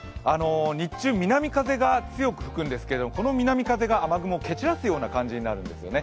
日中、南風が強く吹くんですけれども、この南風が雨雲を蹴散らすような感じになるんですよね。